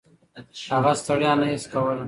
هغه ستړیا نه حس کوله.